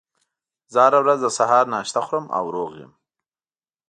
زه هره ورځ د سهار ناشته خورم او روغ یم